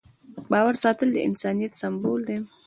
د باور ساتل د انسانیت سمبول دی.